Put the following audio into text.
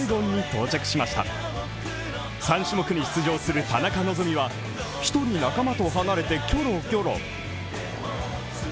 ３種目に出場する田中希実は１人仲間と離れてキョロキョロ。